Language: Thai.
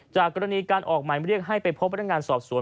จากกรณีการออกหมายเรียกให้ไปพบพนักงานสอบสวน